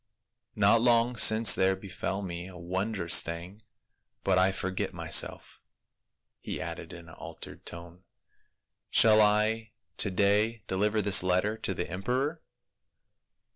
Not long since there befell me a wondrous thing — but I forget myself," he added in an altered tone. " Shall I to day deliver this letter to the emperor?"